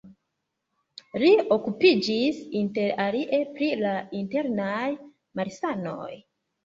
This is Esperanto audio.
Li okupiĝis inter alie pri la internaj malsanoj.